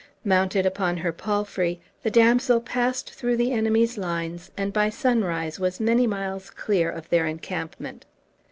Mounted upon her palfrey, the damsel passed through the enemy's lines, and by sunrise was many miles clear of their encampment.